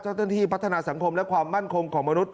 เจ้าหน้าที่พัฒนาสังคมและความมั่นคงของมนุษย